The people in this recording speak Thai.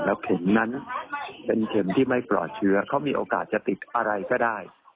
เข็มนั้นเป็นเข็มที่ไม่ปลอดเชื้อเขามีโอกาสจะติดอะไรก็ได้